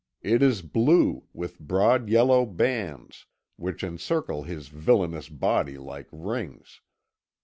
It is blue, with broad yellow bands, which encircle his villainous body like rings.